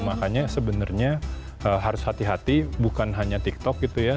makanya sebenarnya harus hati hati bukan hanya tiktok gitu ya